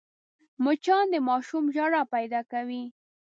مچان د ماشوم ژړا پیدا کوي